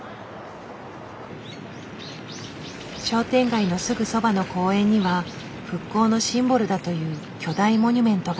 商店街のすぐそばの公園には復興のシンボルだという巨大モニュメントが。